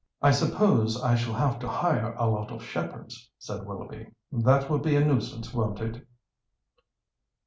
"I suppose I shall have to hire a lot of shepherds," said Willoughby; "that will be a nuisance, won't it?"